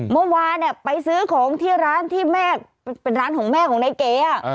เมื่อวานไปซื้อของที่ร้านที่แม่เป็นร้านของแม่ของนายเก๋